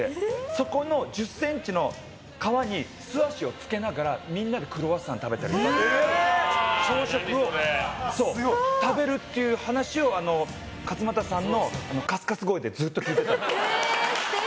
そこの１０ｃｍの川に素足をつけながらみんなでクロワッサンを食べたり朝食を食べるっていう話を勝俣さんのカスカス声でずっと聞いてたんです。